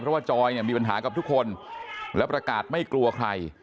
เพราะว่าจอยเนี่ยมีปัญหากับทุกคนแล้วประกาศไม่กลัวใคร